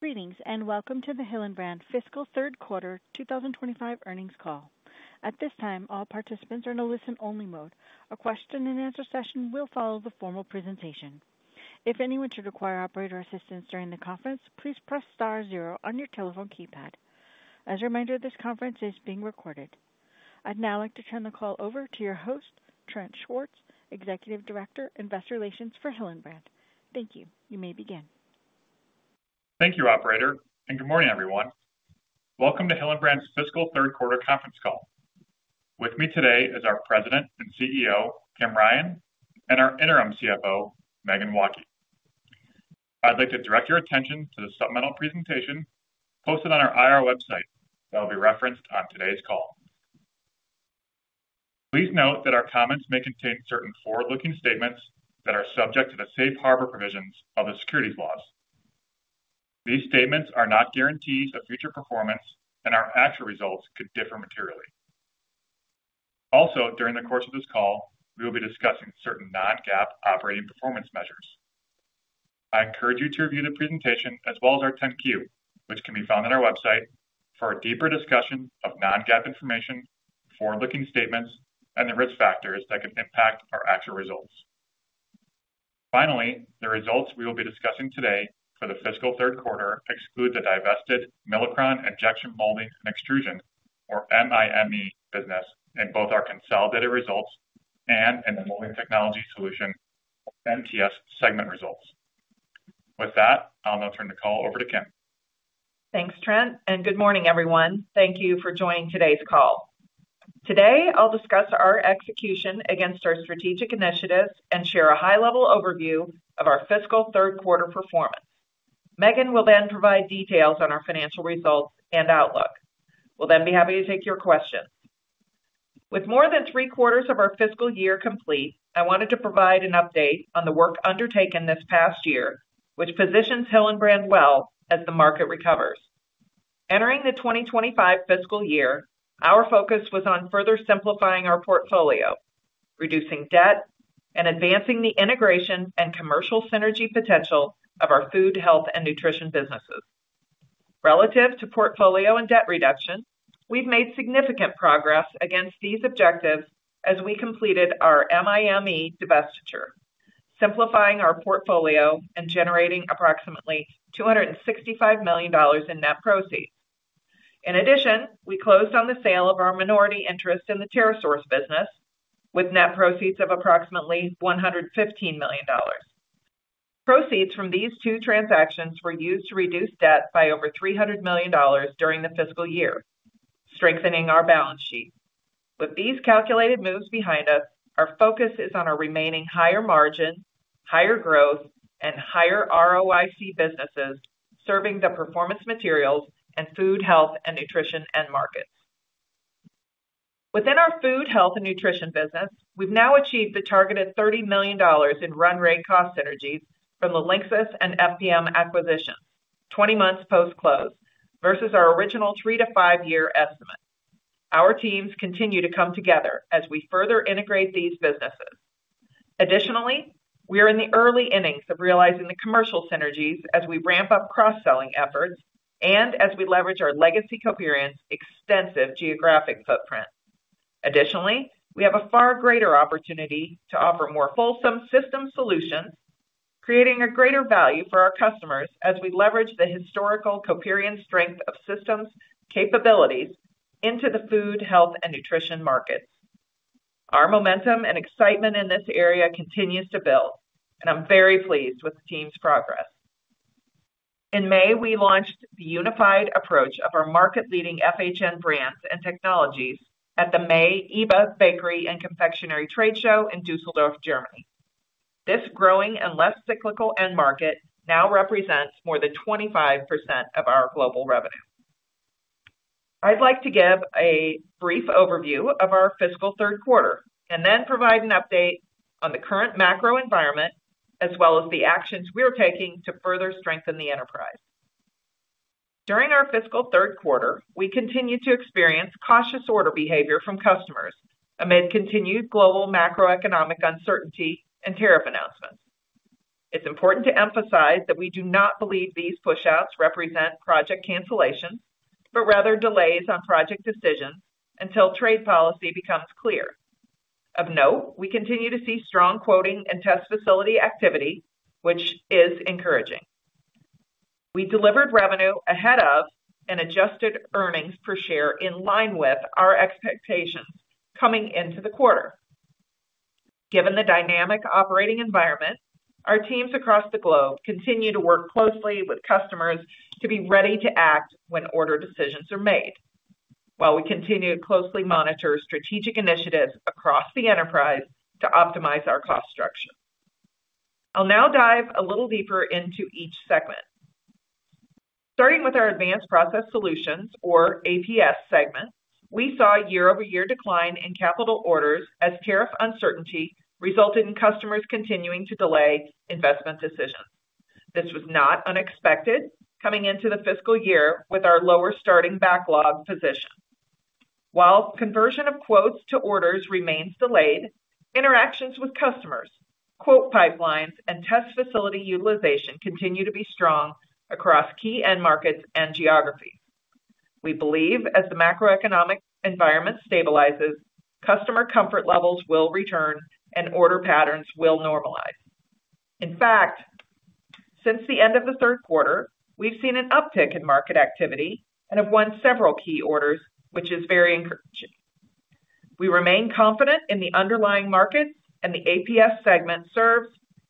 Greetings and welcome to the Hillenbrand fiscal third quarter 2025 earnings call. At this time, all participants are in a listen-only mode. A question and answer session will follow the formal presentation. If anyone should require operator assistance during the conference, please press star zero on your telephone keypad. As a reminder, this conference is being recorded. I'd now like to turn the call over to your host, Trent Schwartz, Executive Director, Investor Relations for Hillenbrand. Thank you. You may begin. Thank you, Operator, and good morning, everyone. Welcome to Hillenbrand's fiscal third quarter conference call. With me today is our President and CEO, Kim Ryan, and our Interim CFO, Megan Walke. I'd like to direct your attention to the supplemental presentation posted on our IR website that will be referenced on today's call. Please note that our comments may contain certain forward-looking statements that are subject to the Safe Harbor provisions of the securities laws. These statements are not guarantees of future performance, and our actual results could differ materially. Also, during the course of this call, we will be discussing certain non-GAAP operating performance measures. I encourage you to review the presentation as well as our 10-Q, which can be found on our website, for a deeper discussion of non-GAAP information, forward-looking statements, and the risk factors that could impact our actual results. Finally, the results we will be discussing today for the fiscal third quarter exclude the divested Milacron Injection Molding and Extrusion, or MIME, business in both our consolidated results and in the Molding Technology Solutions, MTS, segment results. With that, I'll now turn the call over to Kim. Thanks, Trent, and good morning, everyone. Thank you for joining today's call. Today, I'll discuss our execution against our strategic initiatives and share a high-level overview of our fiscal third quarter performance. Megan will then provide details on our financial results and outlook. We'll then be happy to take your questions. With more than three quarters of our fiscal year complete, I wanted to provide an update on the work undertaken this past year, which positions Hillenbrand well as the market recovers. Entering the 2025 fiscal year, our focus was on further simplifying our portfolio, reducing debt, and advancing the integration and commercial synergy potential of our food, health, and nutrition businesses. Relative to portfolio and debt reduction, we've made significant progress against these objectives as we completed our Milacron divestiture, simplifying our portfolio and generating approximately $265 million in net proceeds. In addition, we closed on the sale of our minority interest in the TerraSource business, with net proceeds of approximately $115 million. Proceeds from these two transactions were used to reduce debt by over $300 million during the fiscal year, strengthening our balance sheet. With these calculated moves behind us, our focus is on our remaining higher margin, higher growth, and higher ROIC businesses serving the performance materials and food, health, and nutrition end markets. Within our food, health, and nutrition business, we've now achieved the targeted $30 million in run-rate cost synergies from the Linxis and FPM acquisitions, 20 months post-close versus our original three to five-year estimates. Our teams continue to come together as we further integrate these businesses. Additionally, we are in the early innings of realizing the commercial synergies as we ramp up cross-selling efforts and as we leverage our legacy Coperion's extensive geographic footprint. Additionally, we have a far greater opportunity to offer more fulsome system solutions, creating a greater value for our customers as we leverage the historical Coperion's strength of systems capabilities into the food, health, and nutrition market. Our momentum and excitement in this area continues to build, and I'm very pleased with the team's progress. In May, we launched the unified approach of our market-leading FHN brands and technologies at the May iba Bakery and Confectionery Trade Show in Düsseldorf, Germany. This growing and less cyclical end market now represents more than 25% of our global revenue. I'd like to give a brief overview of our fiscal third quarter and then provide an update on the current macro environment as well as the actions we are taking to further strengthen the enterprise. During our fiscal third quarter, we continued to experience cautious order behavior from customers amid continued global macroeconomic uncertainty and tariff announcements. It's important to emphasize that we do not believe these push-outs represent project cancellation, but rather delays on project decisions until trade policy becomes clear. Of note, we continue to see strong quoting and test facility activity, which is encouraging. We delivered revenue ahead of and adjusted earnings per share in line with our expectations coming into the quarter. Given the dynamic operating environment, our teams across the globe continue to work closely with customers to be ready to act when order decisions are made, while we continue to closely monitor strategic initiatives across the enterprise to optimize our cost structure. I'll now dive a little deeper into each segment. Starting with our Advanced Process Solutions, or APS, segment, we saw a year-over-year decline in capital orders as tariff uncertainty resulted in customers continuing to delay investment decisions. This was not unexpected coming into the fiscal year with our lower starting backlog position. While conversion of quotes to orders remains delayed, interactions with customers, quote pipelines, and test facility utilization continue to be strong across key end markets and geography. We believe as the macroeconomic environment stabilizes, customer comfort levels will return and order patterns will normalize. In fact, since the end of the third quarter, we've seen an uptick in market activity and have won several key orders, which is very encouraging. We remain confident in the underlying market and the APS segment serves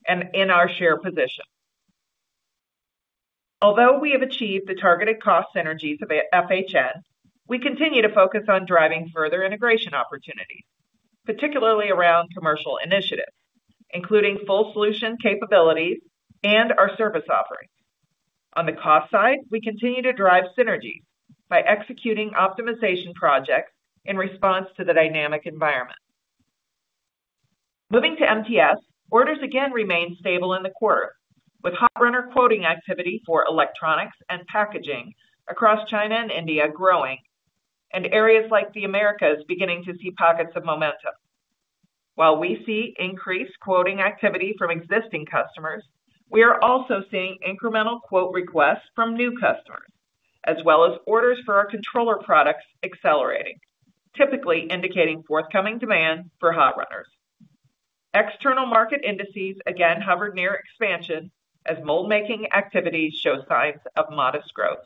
in our share position. Although we have achieved the targeted cost synergies of FPM, we continue to focus on driving further integration opportunities, particularly around commercial initiatives, including full solution capabilities and our service offering. On the cost side, we continue to drive synergies by executing optimization projects in response to the dynamic environment. Moving to MTS, orders again remain stable in the quarter, with hot runner quoting activity for electronics and packaging across China and India growing, and areas like the Americas beginning to see pockets of momentum. While we see increased quoting activity from existing customers, we are also seeing incremental quote requests from new customers, as well as orders for our controller products accelerating, typically indicating forthcoming demand for hot runners. External market indices again hovered near expansion as mold-making activity shows signs of modest growth.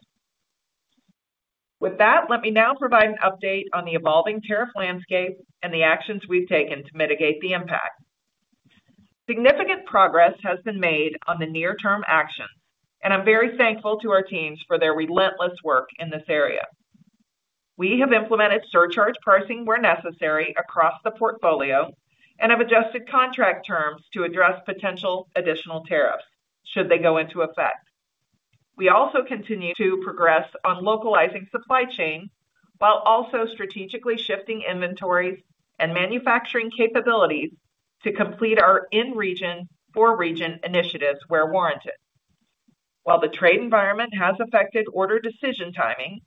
With that, let me now provide an update on the evolving tariff landscape and the actions we've taken to mitigate the impact. Significant progress has been made on the near-term actions, and I'm very thankful to our teams for their relentless work in this area. We have implemented surcharge pricing where necessary across the portfolio and have adjusted contract terms to address potential additional tariffs should they go into effect. We also continue to progress on localizing supply chain while also strategically shifting inventories and manufacturing capabilities to complete our in-region-for-region initiatives where warranted. While the trade environment has affected order decision timing,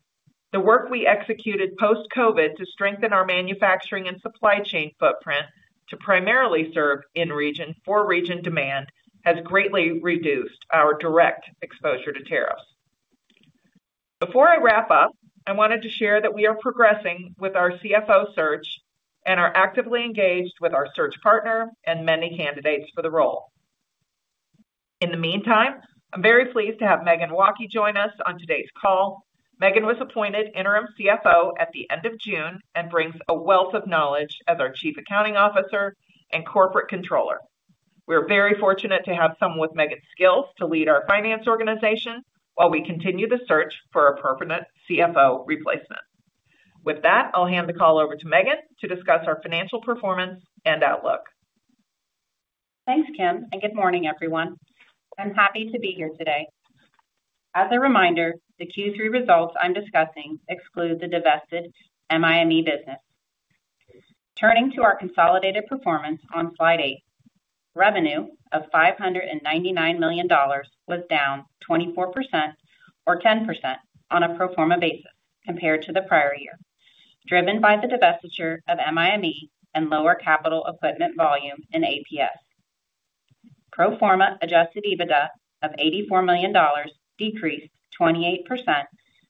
the work we executed post-COVID to strengthen our manufacturing and supply chain footprint to primarily serve in-region-for-region demand has greatly reduced our direct exposure to tariffs. Before I wrap up, I wanted to share that we are progressing with our CFO search and are actively engaged with our search partner and many candidates for the role. In the meantime, I'm very pleased to have Megan Walke join us on today's call. Megan was appointed Interim CFO at the end of June and brings a wealth of knowledge as our Chief Accounting Officer and Corporate Controller. We're very fortunate to have someone with Megan's skills to lead our finance organization while we continue to search for a permanent CFO replacement. With that, I'll hand the call over to Megan to discuss our financial performance and outlook. Thanks, Kim, and good morning, everyone. I'm happy to be here today. As a reminder, the Q3 results I'm discussing exclude the divested Milacron business. Turning to our consolidated performance on slide eight, revenue of $599 million was down 24% or 10% on a pro forma basis compared to the prior year, driven by the divestiture of Milacron and lower capital equipment volume in APS. Pro forma adjusted EBITDA of $84 million decreased 28%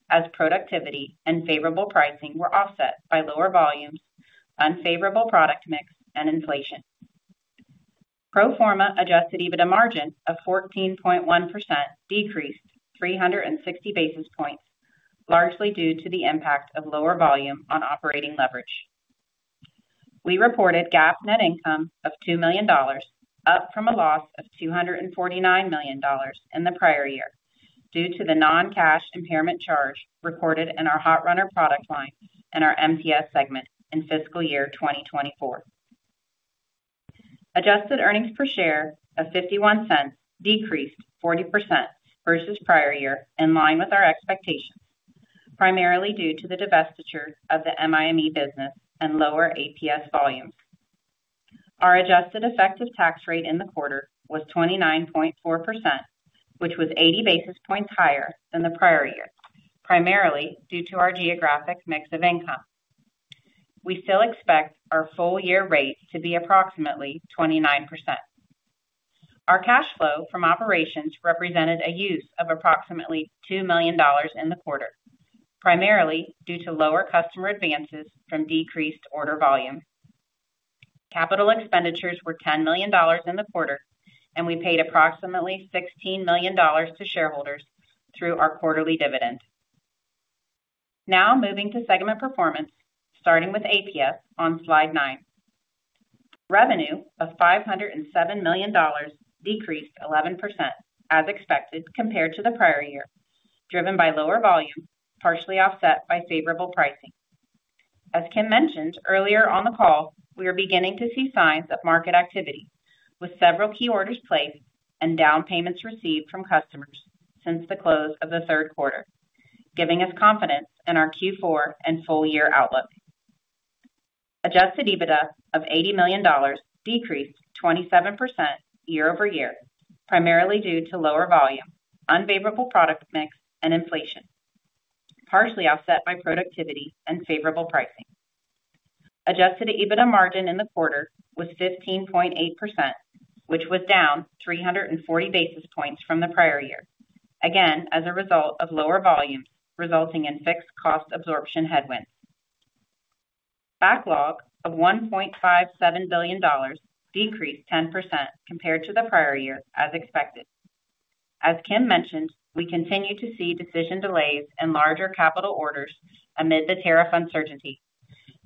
as productivity and favorable pricing were offset by lower volumes, unfavorable product mix, and inflation. Pro forma adjusted EBITDA margin of 14.1% decreased 360 basis points, largely due to the impact of lower volume on operating leverage. We reported GAAP net income of $2 million, up from a loss of $249 million in the prior year due to the non-cash impairment charge reported in our hot runner product line and our MTS segment in fiscal year 2024. Adjusted earnings per share of $0.51 decreased 40% versus prior year, in line with our expectations, primarily due to the divestiture of the MIME business and lower APS volumes. Our adjusted effective tax rate in the quarter was 29.4%, which was 80 basis points higher than the prior year, primarily due to our geographic mix of income. We still expect our full-year rate to be approximately 29%. Our cash flow from operations represented a use of approximately $2 million in the quarter, primarily due to lower customer advances from decreased order volume. Capital expenditures were $10 million in the quarter, and we paid approximately $16 million to shareholders through our quarterly dividend. Now moving to segment performance, starting with APS on slide nine, revenue of $507 million decreased 11% as expected compared to the prior year, driven by lower volume, partially offset by favorable pricing. As Kim mentioned earlier on the call, we are beginning to see signs of market activity, with several key orders placed and down payments received from customers since the close of the third quarter, giving us confidence in our Q4 and full-year outlook. Adjusted EBITDA of $80 million decreased 27% year over year, primarily due to lower volume, unfavorable product mix, and inflation, partially offset by productivity and favorable pricing. Adjusted EBITDA margin in the quarter was 15.8%, which was down 340 basis points from the prior year, again as a result of lower volume resulting in fixed cost absorption headwinds. Backlog of $1.57 billion decreased 10% compared to the prior year as expected. As Kim mentioned, we continue to see decision delays in larger capital orders amid the tariff uncertainty.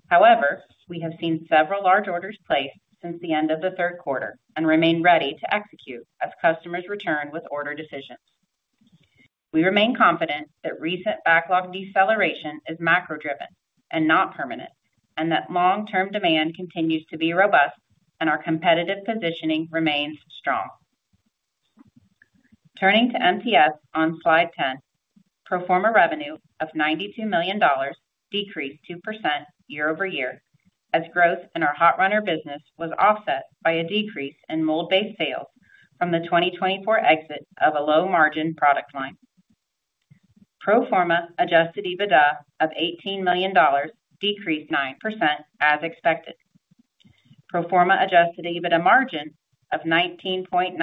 However, we have seen several large orders placed since the end of the third quarter and remain ready to execute as customers return with order decisions. We remain confident that recent backlog deceleration is macro-driven and not permanent, and that long-term demand continues to be robust and our competitive positioning remains strong. Turning to MTS on slide 10, pro forma revenue of $92 million decreased 2% year over year as growth in our hot runner business was offset by a decrease in mold-based sales from the 2024 exit of a low-margin product line. Pro forma adjusted EBITDA of $18 million decreased 9% as expected. Pro forma adjusted EBITDA margin of 19.9%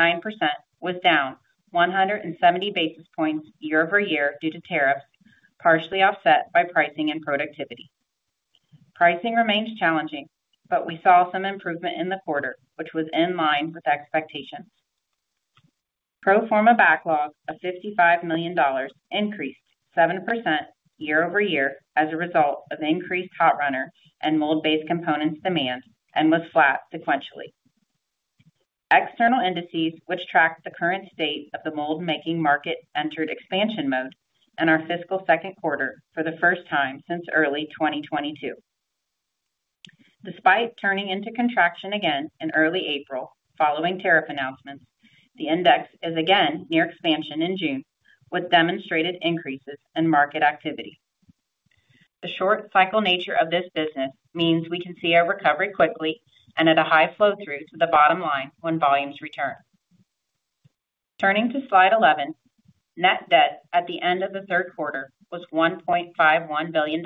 was down 170 basis points year over year due to tariffs, partially offset by pricing and productivity. Pricing remains challenging, but we saw some improvement in the quarter, which was in line with expectations. Pro forma backlog of $55 million increased 7% year over year as a result of increased hot runner and mold-based components demand and was flat sequentially. External indices, which track the current state of the mold-making market, entered expansion mode in our fiscal second quarter for the first time since early 2022. Despite turning into contraction again in early April following tariff announcements, the index is again near expansion in June, with demonstrated increases in market activity. The short-cycle nature of this business means we can see a recovery quickly and at a high flow-through to the bottom line when volumes return. Turning to slide 11, net debt at the end of the third quarter was $1.51 billion,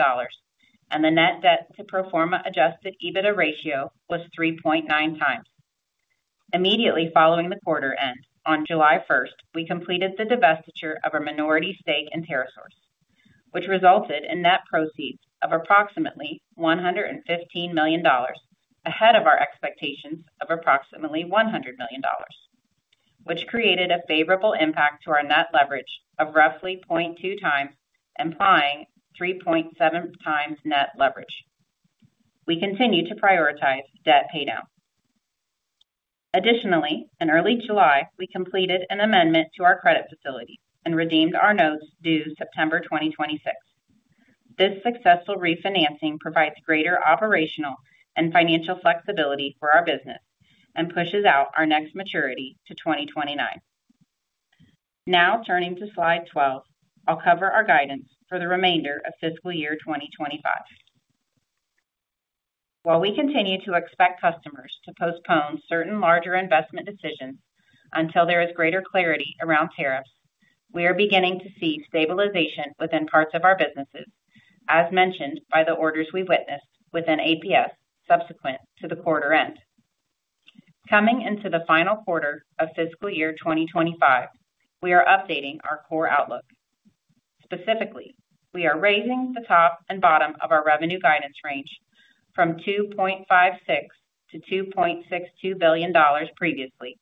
and the net debt to pro forma adjusted EBITDA ratio was 3.9 times. Immediately following the quarter end, on July 1, we completed the divestiture of our minority stake in TerraSource, which resulted in net proceeds of approximately $115 million ahead of our expectations of approximately $100 million, which created a favorable impact to our net leverage of roughly 0.2 times, implying 3.7 times net leverage. We continue to prioritize debt paydown. Additionally, in early July, we completed an amendment to our credit facility and redeemed our notes due September 2026. This successful refinancing provides greater operational and financial flexibility for our business and pushes out our next maturity to 2029. Now turning to slide 12, I'll cover our guidance for the remainder of fiscal year 2025. While we continue to expect customers to postpone certain larger investment decisions until there is greater clarity around tariffs, we are beginning to see stabilization within parts of our businesses, as mentioned by the orders we witnessed within APS subsequent to the quarter end. Coming into the final quarter of fiscal year 2025, we are updating our core outlook. Specifically, we are raising the top and bottom of our revenue guidance range from $2.56 - $2.62 billion previously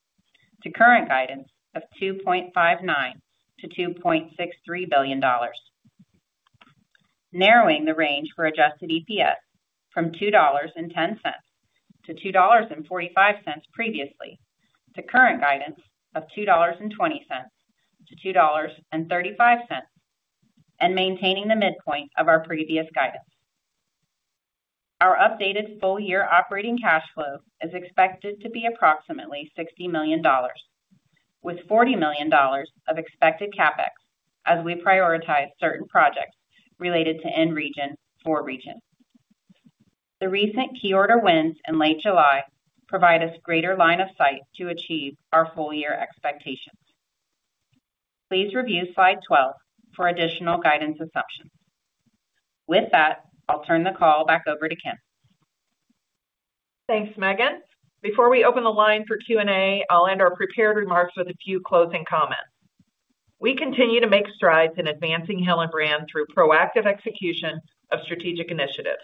to current guidance of $2.59 - $2.63 billion, narrowing the range for adjusted EPS from $2.10 to $2.45 previously to current guidance of $2.20 - $2.35, and maintaining the midpoint of our previous guidance. Our updated full-year operating cash flow is expected to be approximately $60 million, with $40 million of expected CapEx as we prioritize certain projects related to in-region-for-region. The recent key order wins in late July provide us greater line of sight to achieve our full-year expectations. Please review slide 12 for additional guidance assumptions. With that, I'll turn the call back over to Kim. Thanks, Megan. Before we open the line for Q&A, I'll end our prepared remarks with a few closing comments. We continue to make strides in advancing Hillenbrand through proactive execution of strategic initiatives.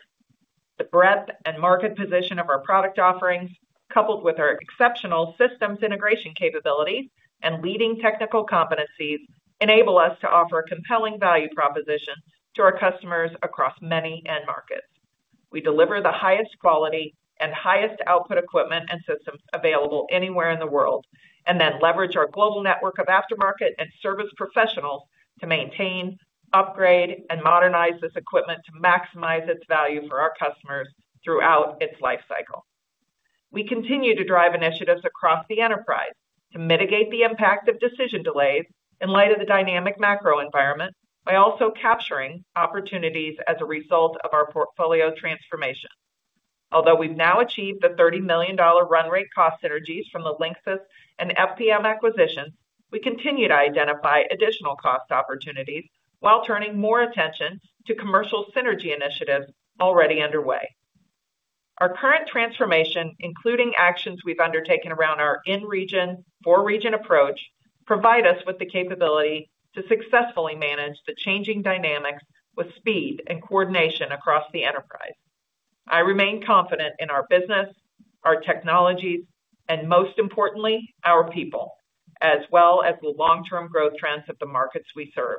The breadth and market position of our product offerings, coupled with our exceptional systems integration capabilities and leading technical competency, enable us to offer a compelling value proposition to our customers across many end markets. We deliver the highest quality and highest output equipment and systems available anywhere in the world, and then leverage our global network of aftermarket parts and service professionals to maintain, upgrade, and modernize this equipment to maximize its value for our customers throughout its lifecycle. We continue to drive initiatives across the enterprise to mitigate the impact of decision delays in light of the dynamic macro environment by also capturing opportunities as a result of our portfolio transformation. Although we've now achieved the $30 million run-rate cost synergies from the Linxis and FPM acquisition, we continue to identify additional cost opportunities while turning more attention to commercial synergy initiatives already underway. Our current transformation, including actions we've undertaken around our in-region-for-region approach, provide us with the capability to successfully manage the changing dynamics with speed and coordination across the enterprise. I remain confident in our business, our technologies, and most importantly, our people, as well as the long-term growth trends of the markets we serve.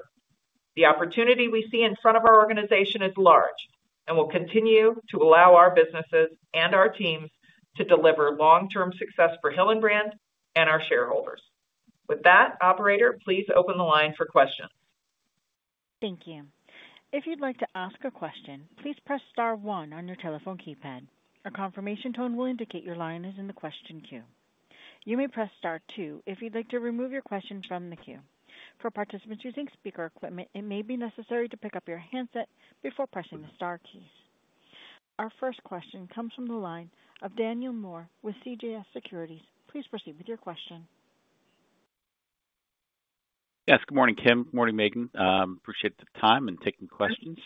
The opportunity we see in front of our organization is large and will continue to allow our businesses and our teams to deliver long-term success for Hillenbrand and our shareholders. With that, Operator, please open the line for questions. Thank you. If you'd like to ask a question, please press star one on your telephone keypad. A confirmation tone will indicate your line is in the question queue. You may press star two if you'd like to remove your question from the queue. For participants using speaker equipment, it may be necessary to pick up your handset before pressing the star keys. Our first question comes from the line of Dan Moore with CJS Securities. Please proceed with your question. Yes, good morning, Kim. Morning, Megan. Appreciate the time and taking questions.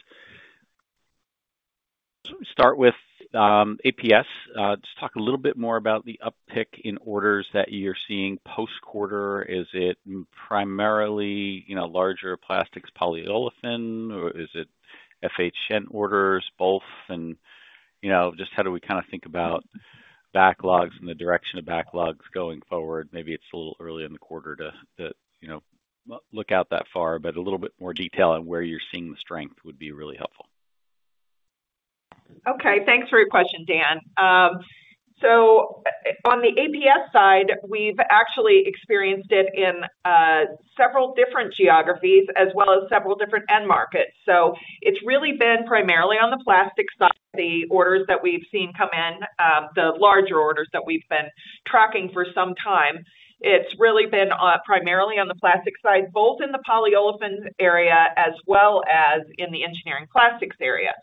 Let me start with APS. Just talk a little bit more about the uptick in orders that you're seeing post-quarter. Is it primarily, you know, larger plastics polyolefin or is it FHN orders, both? Just how do we kind of think about backlogs and the direction of backlogs going forward? Maybe it's a little early in the quarter to look out that far, but a little bit more detail on where you're seeing the strength would be really helpful. Okay, thanks for your question, Dan. On the APS side, we've actually experienced it in several different geographies as well as several different end markets. It's really been primarily on the plastic side, the orders that we've seen come in, the larger orders that we've been tracking for some time. It's really been primarily on the plastic side, both in the polyolefin area as well as in the engineering plastics area.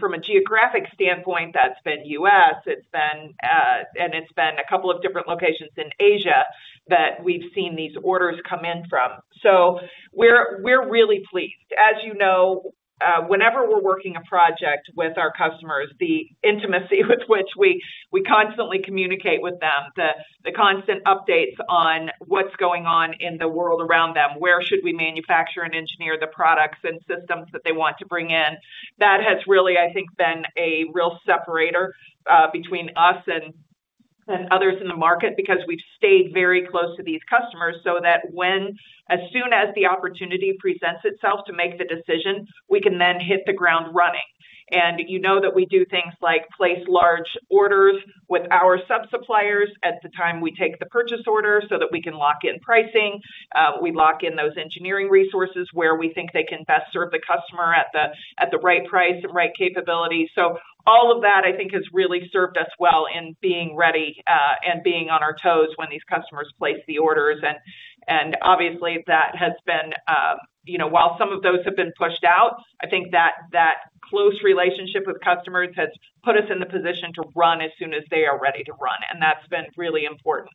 From a geographic standpoint, that's been U.S., and it's been a couple of different locations in Asia that we've seen these orders come in from. We're really pleased. As you know, whenever we're working a project with our customers, the intimacy with which we constantly communicate with them, the constant updates on what's going on in the world around them, where we should manufacture and engineer the products and systems that they want to bring in, that has really, I think, been a real separator between us and others in the market because we've stayed very close to these customers so that as soon as the opportunity presents itself to make the decision, we can then hit the ground running. You know that we do things like place large orders with our sub-suppliers at the time we take the purchase order so that we can lock in pricing. We lock in those engineering resources where we think they can best serve the customer at the right price and right capability. All of that, I think, has really served us well in being ready and being on our toes when these customers place the orders. Obviously, that has been, while some of those have been pushed out, I think that close relationship with customers has put us in the position to run as soon as they are ready to run. That's been really important.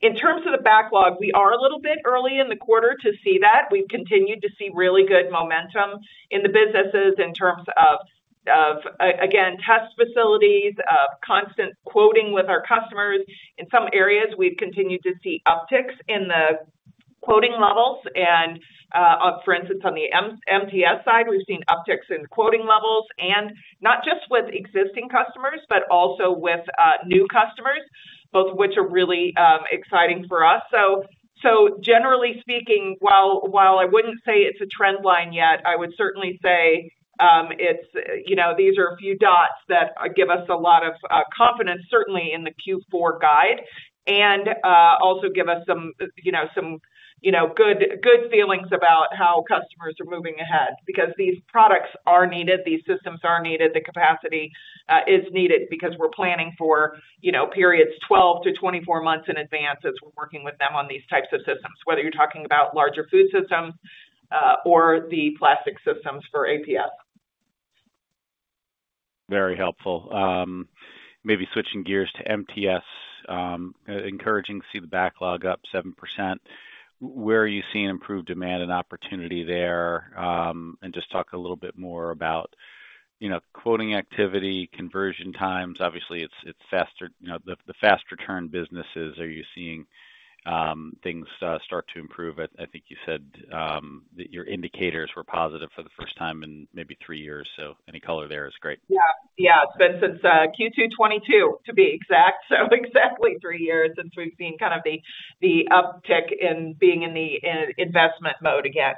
In terms of the backlog, we are a little bit early in the quarter to see that. We've continued to see really good momentum in the businesses in terms of, again, test facilities, of constant quoting with our customers. In some areas, we've continued to see upticks in the quoting levels. For instance, on the MTS side, we've seen upticks in quoting levels, and not just with existing customers, but also with new customers, both of which are really exciting for us. Generally speaking, while I wouldn't say it's a trend line yet, I would certainly say these are a few dots that give us a lot of confidence, certainly in the Q4 guide, and also give us some good feelings about how customers are moving ahead because these products are needed, these systems are needed, the capacity is needed because we're planning for periods 12 -24 months in advance as we're working with them on these types of systems, whether you're talking about larger food systems or the plastic systems for APS. Very helpful. Maybe switching gears to MTS, encouraging to see the backlog up 7%. Where are you seeing improved demand and opportunity there? Just talk a little bit more about, you know, quoting activity, conversion times. Obviously, it's faster. The fast-return businesses, are you seeing things start to improve? I think you said that your indicators were positive for the first time in maybe three years. Any color there is great. Yeah, yeah, it's been since Q2 2022, to be exact. Exactly three years since we've seen kind of the uptick in being in the investment mode again.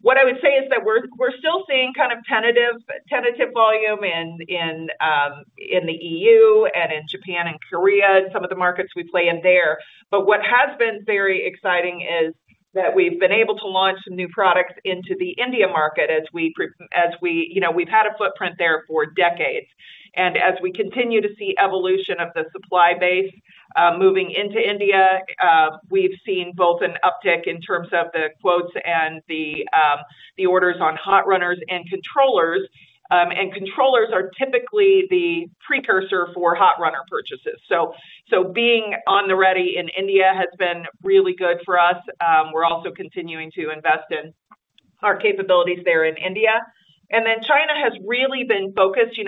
What I would say is that we're still seeing kind of tentative volume in the EU and in Japan and Korea, some of the markets we play in there. What has been very exciting is that we've been able to launch some new products into the India market as we, you know, we've had a footprint there for decades. As we continue to see evolution of the supply base moving into India, we've seen both an uptick in terms of the quotes and the orders on hot runners and controllers. Controllers are typically the precursor for hot runner purchases. Being on the ready in India has been really good for us. We're also continuing to invest in our capabilities there in India. China has really been focused.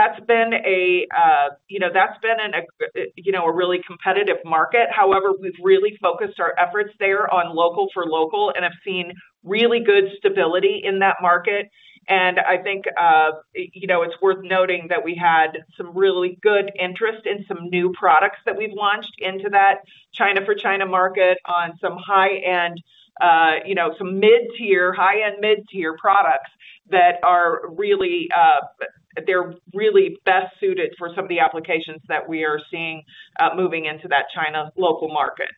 That's been a really competitive market. However, we've really focused our efforts there on local for local and have seen really good stability in that market. I think it's worth noting that we had some really good interest in some new products that we've launched into that China for China market on some high-end, some mid-tier, high-end mid-tier products that are really best suited for some of the applications that we are seeing moving into that China local market.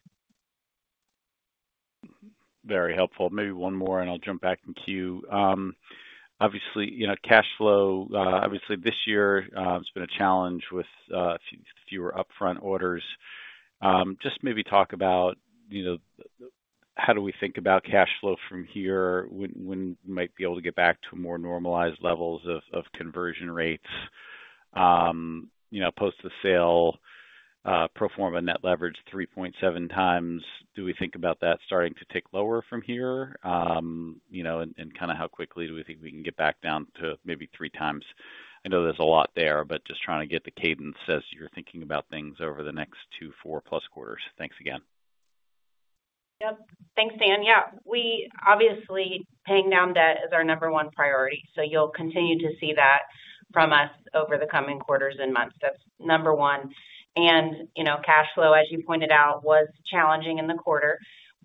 Very helpful. Maybe one more, and I'll jump back in queue. Obviously, you know, cash flow this year has been a challenge with fewer upfront orders. Just maybe talk about how do we think about cash flow from here when we might be able to get back to more normalized levels of conversion rates. Post the sale, pro forma net leverage 3.7 times. Do we think about that starting to tick lower from here, and kind of how quickly do we think we can get back down to maybe three times. I know there's a lot there, but just trying to get the cadence as you're thinking about things over the next two, four plus quarters. Thanks again. Yeah, thanks, Dan. Yeah, obviously paying down debt is our number one priority. You'll continue to see that from us over the coming quarters and months. That's number one. Cash flow, as you pointed out, was challenging in the quarter. As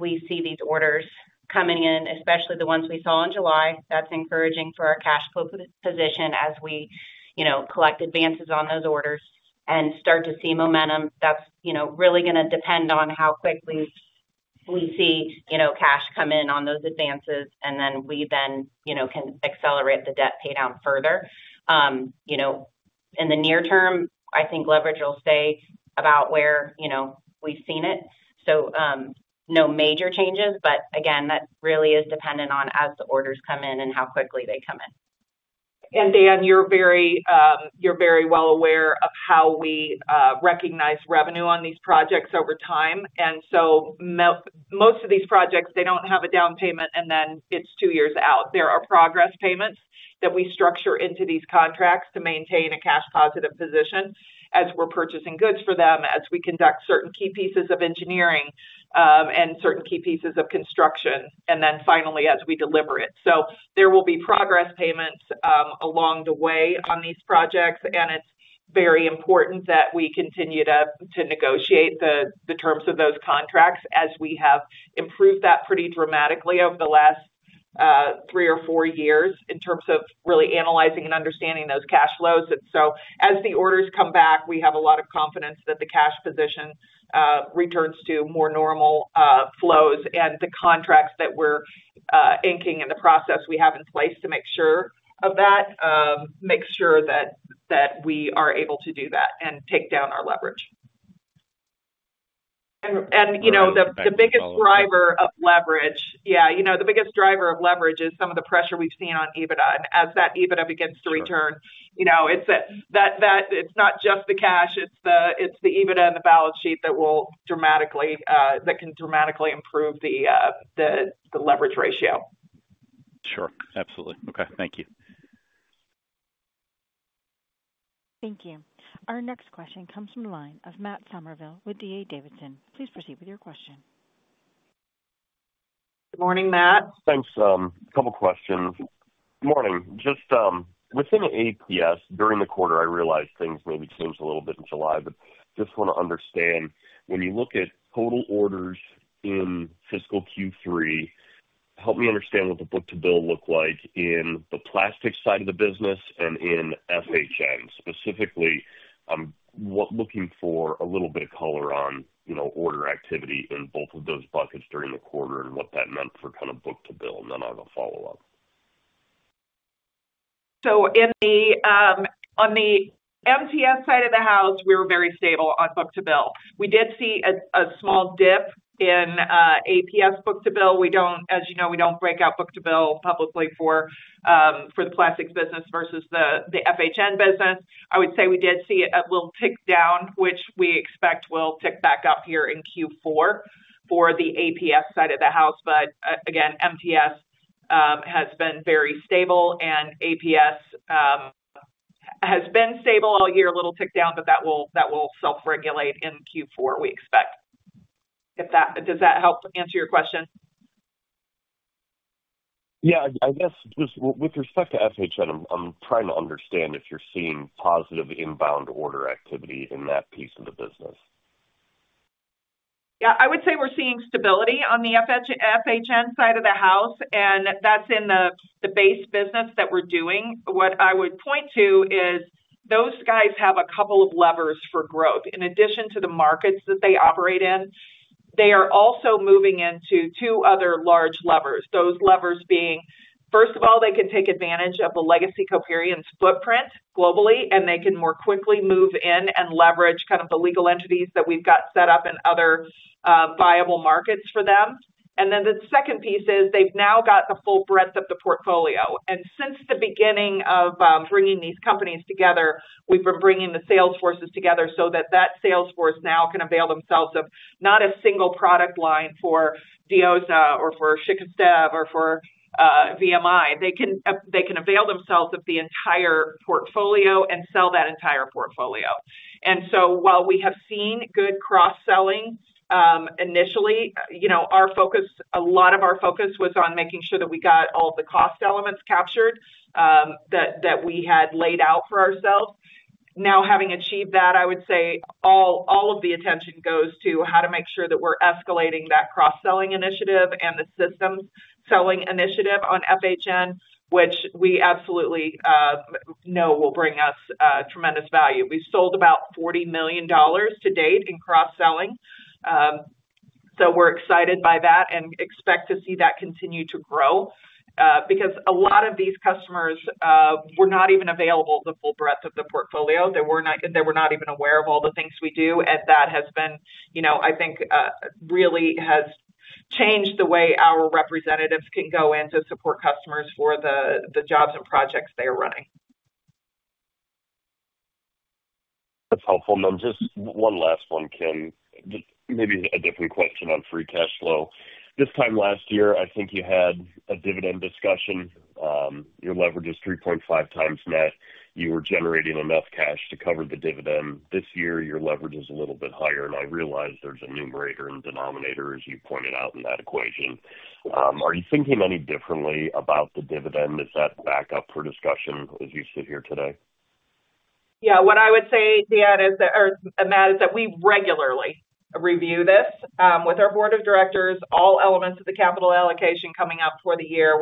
we see these orders coming in, especially the ones we saw in July, that's encouraging for our cash flow position as we collect advances on those orders and start to see momentum. That's really going to depend on how quickly we see cash come in on those advances. We then can accelerate the debt paydown further. In the near term, I think leverage will stay about where we've seen it. No major changes, but again, that really is dependent on as the orders come in and how quickly they come in. Dan, you're very well aware of how we recognize revenue on these projects over time. Most of these projects don't have a down payment, and then it's two years out. There are progress payments that we structure into these contracts to maintain a cash positive position as we're purchasing goods for them, as we conduct certain key pieces of engineering, and certain key pieces of construction, and then finally as we deliver it. There will be progress payments along the way on these projects. It's very important that we continue to negotiate the terms of those contracts as we have improved that pretty dramatically over the last three or four years in terms of really analyzing and understanding those cash flows. As the orders come back, we have a lot of confidence that the cash position returns to more normal flows and the contracts that we're inking in the process we have in place to make sure of that, make sure that we are able to do that and take down our leverage. The biggest driver of leverage is some of the pressure we've seen on EBITDA. As that EBITDA begins to return, it's not just the cash, it's the EBITDA and the balance sheet that can dramatically improve the leverage ratio. Sure, absolutely. Okay, thank you. Thank you. Our next question comes from the line of Matt Summerville with D.A. Davidson. Please proceed with your question. Good morning, Matt. Thanks. [Sam] A couple of questions. Morning. Just within APS, during the quarter, I realize things maybe changed a little bit in July, but just want to understand when you look at total orders in fiscal Q3, help me understand what the book-to-bill looked like in the plastic side of the business and in FHN. Specifically, I'm looking for a little bit of color on, you know, order activity in both of those buckets during the quarter and what that meant for kind of book-to-bill. I'll follow up. On the MTS side of the house, we were very stable on book-to-bill. We did see a small dip in APS book-to-bill. As you know, we don't break out book-to-bill publicly for the plastics business versus the FHN business. I would say we did see a little tick down, which we expect will tick back up here in Q4 for the APS side of the house. Again, MTS has been very stable and APS has been stable all year, a little tick down, but that will self-regulate in Q4, we expect. Does that help answer your question? Yeah, I guess just with respect to FPM, I'm trying to understand if you're seeing positive inbound order activity in that piece of the business. Yeah, I would say we're seeing stability on the FHN side of the house, and that's in the base business that we're doing. What I would point to is those guys have a couple of levers for growth. In addition to the markets that they operate in, they are also moving into two other large levers. Those levers being, first of all, they can take advantage of the legacy Coperion's footprint globally, and they can more quickly move in and leverage kind of the legal entities that we've got set up in other viable markets for them. The second piece is they've now got the full breadth of the portfolio. Since the beginning of bringing these companies together, we've been bringing the sales forces together so that that sales force now can avail themselves of not a single product line for Diosna or for Shick Esteve or for VMI. They can avail themselves of the entire portfolio and sell that entire portfolio. While we have seen good cross-selling, initially, a lot of our focus was on making sure that we got all of the cost elements captured that we had laid out for ourselves. Now, having achieved that, I would say all of the attention goes to how to make sure that we're escalating that cross-selling initiative and the system selling initiative on FHN, which we absolutely know will bring us tremendous value. We've sold about $40 million to date in cross-selling. We're excited by that and expect to see that continue to grow, because a lot of these customers were not even available the full breadth of the portfolio. They were not even aware of all the things we do. That has been, I think, really has changed the way our representatives can go in to support customers for the jobs and projects they are running. Helpful. I'm just one last one, Kim. Maybe a different question on free cash flow. This time last year, I think you had a dividend discussion. Your leverage is 3.5 times net. You were generating enough cash to cover the dividend. This year, your leverage is a little bit higher, and I realize there's a numerator and denominator, as you pointed out in that equation. Are you thinking any differently about the dividend? Is that back up for discussion as you sit here today? Yeah, what I would say, Dan, is that, or Matt, is that we regularly review this with our Board of Directors, all elements of the capital allocation coming up for the year.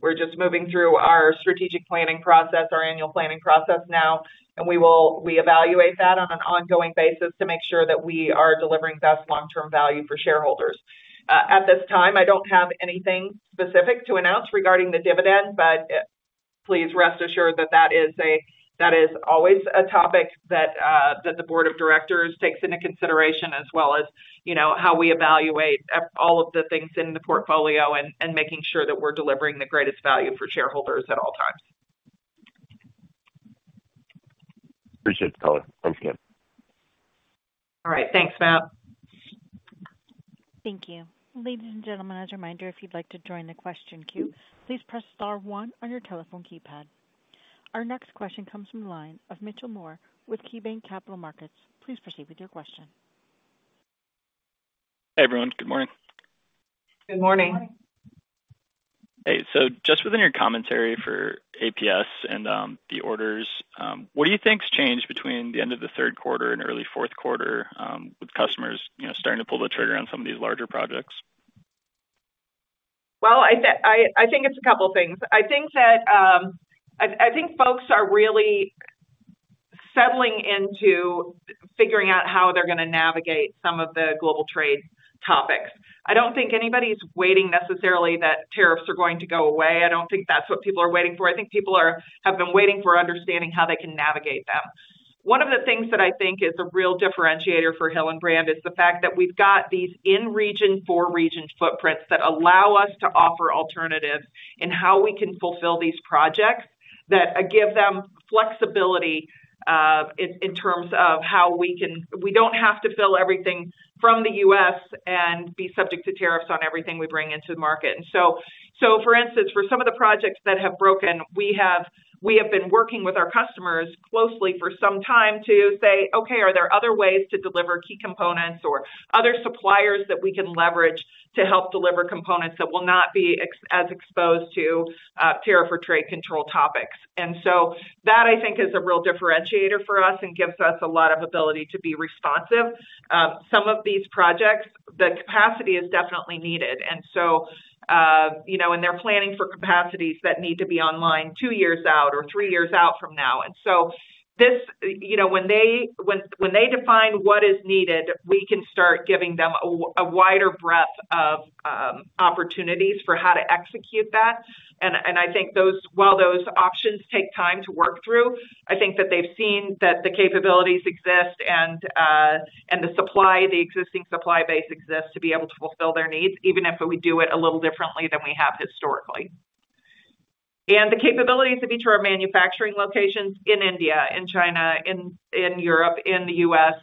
We're just moving through our strategic planning process, our annual planning process now, and we evaluate that on an ongoing basis to make sure that we are delivering best long-term value for shareholders. At this time, I don't have anything specific to announce regarding the dividend, but please rest assured that that is always a topic that the Board of Directors takes into consideration as well as, you know, how we evaluate all of the things in the portfolio and making sure that we're delivering the greatest value for shareholders at all times. Appreciate the color. Thanks, Kim. All right. Thanks, Matt. Thank you. Ladies and gentlemen, as a reminder, if you'd like to join the question queue, please press star one on your telephone keypad. Our next question comes from the line of Mitchell Moore with KeyBanc Capital Markets. Please proceed with your question. Hey, everyone. Good morning. Good morning. Hey, just within your commentary for APS and the orders, what do you think's changed between the end of the third quarter and early fourth quarter with customers, you know, starting to pull the trigger on some of these larger projects? I think it's a couple of things. I think folks are really settling into figuring out how they're going to navigate some of the global trade topics. I don't think anybody's waiting necessarily that tariffs are going to go away. I don't think that's what people are waiting for. I think people have been waiting for understanding how they can navigate them. One of the things that I think is a real differentiator for Hillenbrand is the fact that we've got these in-region-for-region footprints that allow us to offer alternatives in how we can fulfill these projects that give them flexibility in terms of how we can, we don't have to fill everything from the U.S. and be subject to tariffs on everything we bring into the market. For instance, for some of the projects that have broken, we have been working with our customers closely for some time to say, okay, are there other ways to deliver key components or other suppliers that we can leverage to help deliver components that will not be as exposed to tariff or trade control topics? That I think is a real differentiator for us and gives us a lot of ability to be responsive. Some of these projects, then capacity is definitely needed. They're planning for capacities that need to be online two years out or three years out from now. When they define what is needed, we can start giving them a wider breadth of opportunities for how to execute that. I think those, while those options take time to work through, I think that they've seen that the capabilities exist and the existing supply base exists to be able to fulfill their needs, even if we do it a little differently than we have historically. The capabilities of each of our manufacturing locations in India, in China, in Europe, in the U.S.,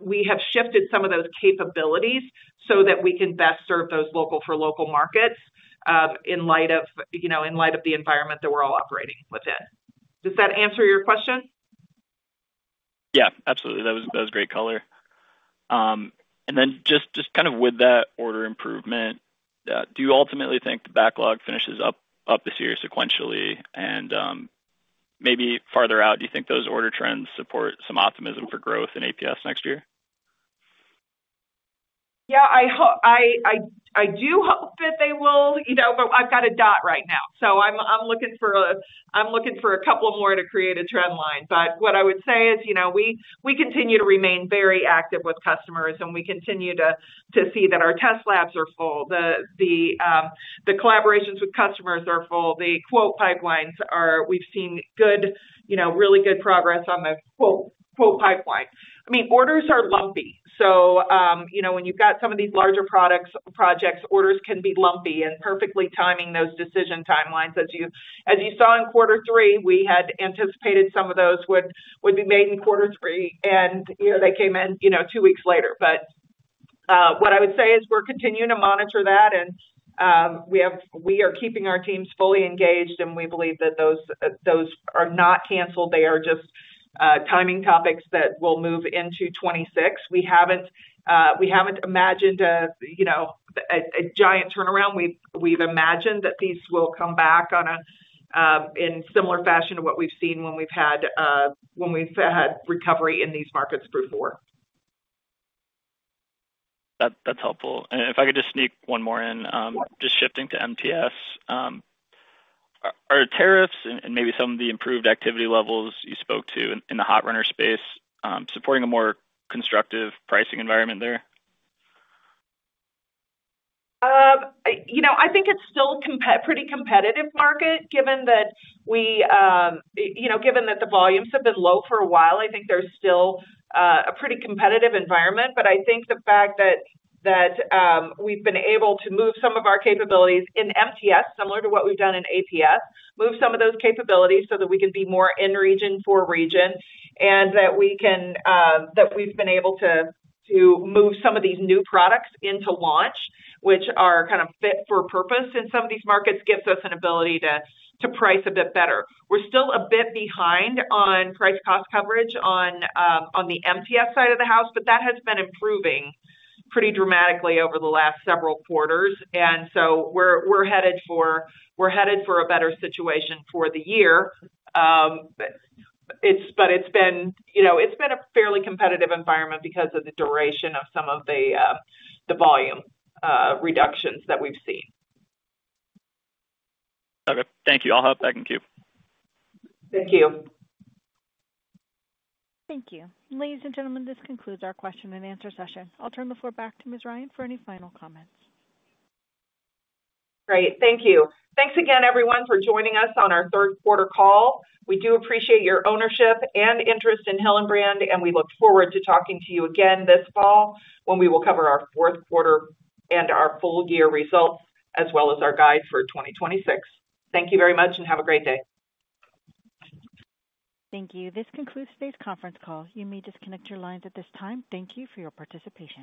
we have shifted some of those capabilities so that we can best serve those local-for-local markets, in light of the environment that we're all operating within. Does that answer your question? Yeah, absolutely. That was great color. Just kind of with that order improvement, do you ultimately think the backlog finishes up this year sequentially? Maybe farther out, do you think those order trends support some optimism for growth in APS next year? Yeah, I do hope that they will, you know, but I've got a dot right now. I'm looking for a couple more to create a trend line. What I would say is, you know, we continue to remain very active with customers and we continue to see that our test labs are full. The collaborations with customers are full. The quote pipelines are, we've seen really good progress on the quote pipeline. Orders are lumpy. When you've got some of these larger projects, orders can be lumpy and perfectly timing those decision timelines. As you saw in quarter three, we had anticipated some of those would be made in quarter three, and they came in two weeks later. What I would say is we're continuing to monitor that. We are keeping our teams fully engaged and we believe that those are not canceled. They are just timing topics that will move into 2026. We haven't imagined a giant turnaround. We've imagined that these will come back in similar fashion to what we've seen when we've had recovery in these markets before. That's helpful. If I could just sneak one more in, just shifting to MTS, are tariffs and maybe some of the improved activity levels you spoke to in the hot runner space supporting a more constructive pricing environment there? I think it's still a pretty competitive market given that the volumes have been low for a while. I think there's still a pretty competitive environment. I think the fact that we've been able to move some of our capabilities in MTS, similar to what we've done in APS, move some of those capabilities so that we can be more in-region-for-region and that we've been able to move some of these new products into launch, which are kind of fit for purpose in some of these markets, gives us an ability to price a bit better. We're still a bit behind on price-cost coverage on the MTS side of the house, but that has been improving pretty dramatically over the last several quarters. We're headed for a better situation for the year. It's been a fairly competitive environment because of the duration of some of the volume reductions that we've seen. Okay, thank you. I'll hop back in queue. Thank you. Thank you. Ladies and gentlemen, this concludes our question and answer session. I'll turn the floor back to Ms. Ryan for any final comments. Great. Thank you. Thanks again, everyone, for joining us on our third quarter call. We do appreciate your ownership and interest in Hillenbrand, and we look forward to talking to you again this fall when we will cover our fourth quarter and our full-year results, as well as our guide for 2026. Thank you very much and have a great day. Thank you. This concludes today's conference call. You may disconnect your lines at this time. Thank you for your participation.